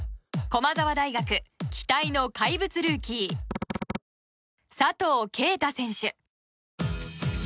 駒澤大学期待の怪物ルーキー佐藤圭汰選手。